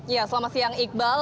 ya selamat siang iqbal